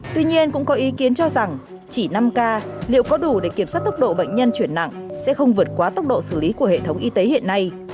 tuy nhiên cũng có ý kiến cho rằng chỉ năm k liệu có đủ để kiểm soát tốc độ bệnh nhân chuyển nặng sẽ không vượt quá tốc độ xử lý của hệ thống y tế hiện nay